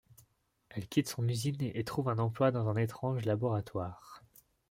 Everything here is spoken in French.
Elle quitte son usine et trouve un emploi dans un étrange laboratoire.